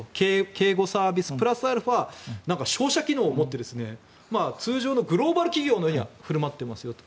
警護サービス、プラスアルファ商社機能を持って通常のグローバル企業のように振る舞っていますよと。